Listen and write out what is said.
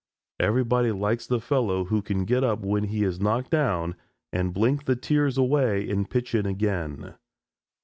Everybody likes the fellow who can get up when he is knocked down and blink the tears away and pitch in again.